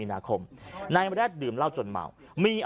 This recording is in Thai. ชาวบ้านญาติโปรดแค้นไปดูภาพบรรยากาศขณะ